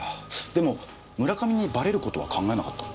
でも村上にバレることは考えなかった？